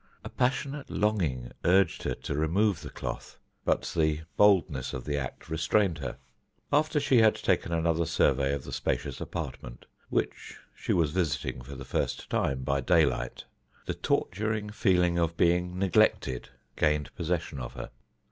A passionate longing urged her to remove the cloth, but the boldness of the act restrained her. After she had taken another survey of the spacious apartment, which she was visiting for the first time by daylight, the torturing feeling of being neglected gained possession of her.